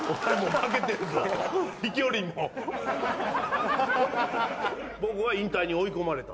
松坂に引退に追い込まれた？